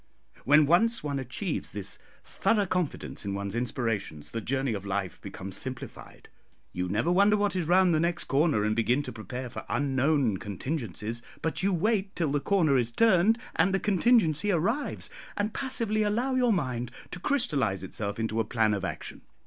When once one achieves this thorough confidence in one's inspirations, the journey of life becomes simplified. You never wonder what is round the next corner, and begin to prepare for unknown contingencies; but you wait till the corner is turned, and the contingency arrives, and passively allow your mind to crystallise itself into a plan of action.